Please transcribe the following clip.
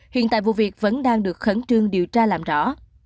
hiện tại vụ việc vẫn đang được khẩn trương điều tra làm rõ